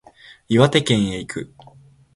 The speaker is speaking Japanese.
岩手県へ行く